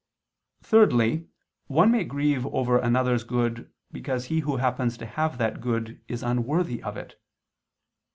Thirdly, one may grieve over another's good, because he who happens to have that good is unworthy of it.